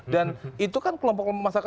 dan itu kan kelompok kelompok masyarakat